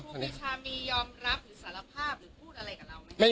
ครูปีชามียอมรับหรือสารภาพหรือพูดอะไรกับเราไหมคะ